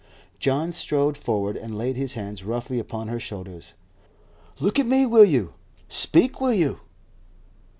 John strode forward and laid his hands roughly upon her shoulders. 'Look at me, will you? Speak, will you?